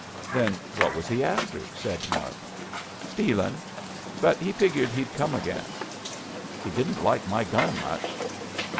"Then what was he after?" said Mart. "Stealin'. But he figured he'd come again." "He didn't like my gun much."